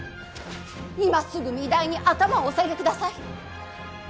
今すぐ御台に頭をお下げください！さあ！